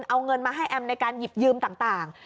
เอาเงินมาให้แอมในการหยิบยืมต่าง